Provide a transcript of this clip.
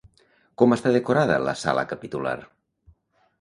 Com està decorada la sala capitular?